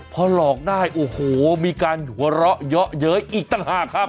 พอหลอกได้โอ้โหมีการหัวเราะเยอะเย้ยอีกต่างหากครับ